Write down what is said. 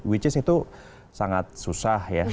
which is itu sangat susah ya